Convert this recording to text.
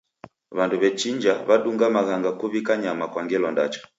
W'andu w'echinja w'adunga maghanga kuw'ika nyama kwa ngelo ndacha.